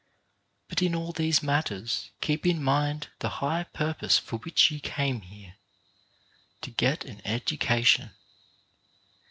But in all these matters keep in mind the high purpose for which you came here — to get an education.